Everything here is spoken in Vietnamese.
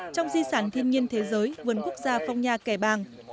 trong di sản thiên nhiên thế giới vườn quốc gia phong nha kẻ bàng